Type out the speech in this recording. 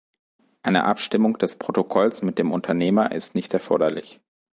Eine Abstimmung des Protokolls mit dem Unternehmer ist nicht erforderlich.